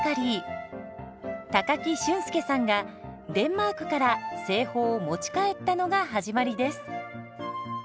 高木俊介さんがデンマークから製法を持ち帰ったのが始まりです。